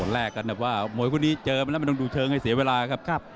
แลกกันแบบว่ามวยคู่นี้เจอมาแล้วมันต้องดูเชิงให้เสียเวลาครับ